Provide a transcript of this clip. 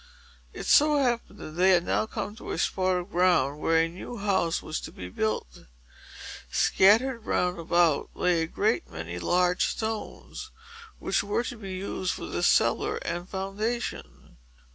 It so happened that they had now come to a spot of ground where a new house was to be built. Scattered round about lay a great many large stones, which were to be used for the cellar and foundation.